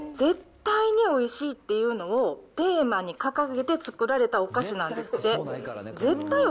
これね、絶対においしいっていうのをテーマに掲げて作られたお菓子なんですって。